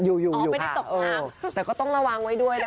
อยู่อยู่อยู่ค่ะอ๋อไม่ได้ตบทางเออแต่ก็ต้องระวังไว้ด้วยนะ